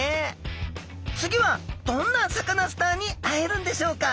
次はどんなサカナスターに会えるんでしょうか。